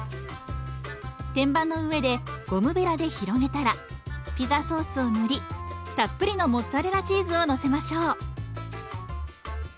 天板の上でゴムべらで広げたらピザソースを塗りたっぷりのモッツァレラチーズをのせましょう。